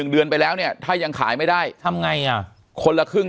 เดือนไปแล้วเนี่ยถ้ายังขายไม่ได้ทำไงอ่ะคนละครึ่ง